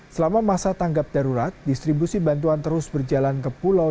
selama masa tanggap darurat distribusi bantuan terus berjalan ke pulau